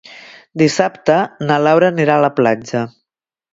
Dissabte na Laura anirà a la platja.